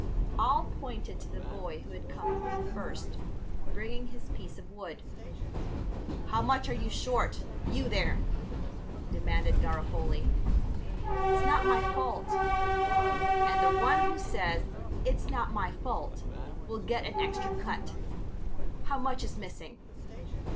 All pointed to the boy who had come home first, bringing his piece of wood. "How much are you short, you there?" demanded Garofoli. "It's not my fault." "And the one who says 'it's not my fault' will get an extra cut. How much is missing?"